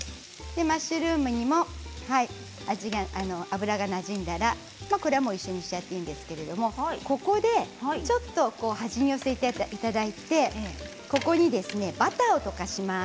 マッシュルームにも油がなじんだらこれでもう一緒にしちゃっていいんですけれどここで端に寄せていただいてここにバターを溶かします。